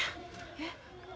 えっ？